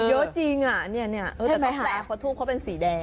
เยอะจริงอ่ะเนี่ยแต่ต้องแปลเพราะทูบเขาเป็นสีแดง